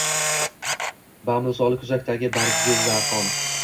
Bamisoli kuzakdagi bargixazon